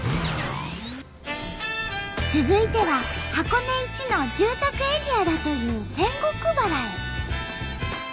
続いては箱根一の住宅エリアだという仙石原へ。